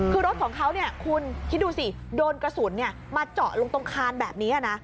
คือรถของเขาคุณคิดดูสิโดนกระสุนมาเจาะลงตรงคานแบบนี้นะ